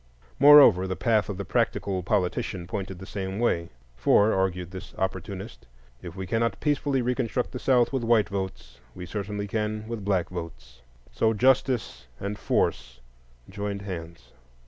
Moreover, the path of the practical politician pointed the same way; for, argued this opportunist, if we cannot peacefully reconstruct the South with white votes, we certainly can with black votes. So justice and force joined hands.